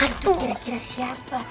itu kira kira siapa